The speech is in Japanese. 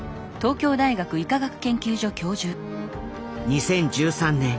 ２０１３年